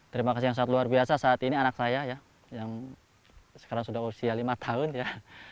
terima kasih yang sangat luar biasa saat ini anak saya ya yang sekarang sudah usia lima tahun ya